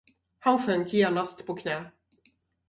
Han sjönk genast på knä.